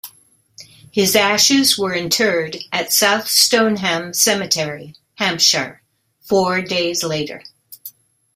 His ashes were interred at South Stoneham Cemetery, Hampshire, four days later.